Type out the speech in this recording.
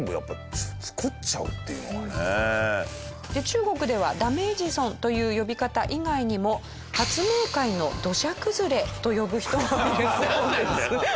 中国では「ダメエジソン」という呼び方以外にも「発明界の土砂崩れ」と呼ぶ人もいるそうです。